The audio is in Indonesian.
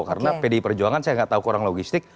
karena pdi perjuangan saya tidak tahu kurang logistik